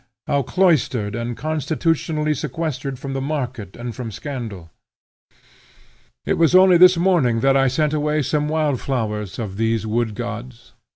How cloistered and constitutionally sequestered from the market and from scandal! It was only this morning that I sent away some wild flowers of these wood gods.